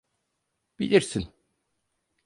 Bilirsin...